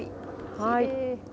はい。